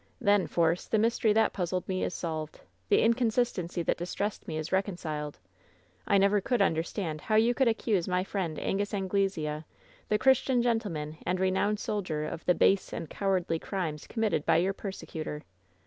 "Then, Force, the mystery that puzzled me is solved. The inconsistency that distressed me is reconciled. I never could understand how you could accuse my friend Angus Anglesea, the Christian gentleman and renowned soldier, of the base and cowardly crimes committed by your persecutor!